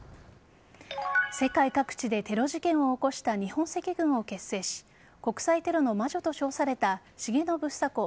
世界各地でテロ事件を起こした日本赤軍を結成し国際テロの魔女と称された重信房子